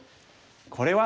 これは。